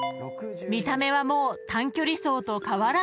［見た目はもう短距離走と変わらないスピード］